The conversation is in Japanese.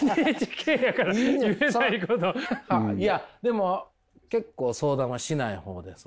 いやでも結構相談はしない方です